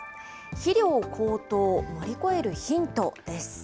肥料高騰、乗り越えるヒントです。